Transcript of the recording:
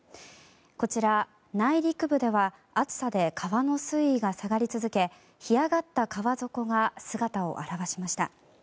こちら、内陸部では暑さで川の水位が下がり続け干上がった川底が姿を現しました。